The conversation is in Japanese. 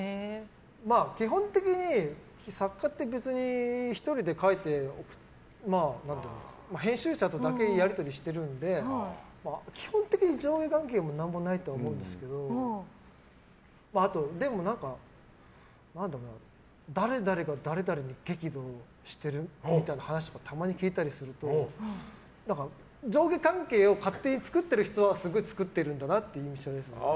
基本的に作家って１人で書いて編集者とだけやり取りしてるので基本的に上下関係も何もないと思うんですけど誰々が誰々に激怒してるみたいな話をたまに聞いたりすると上下関係を勝手に作ってる人はすごい作ってるんだなという印象ですね。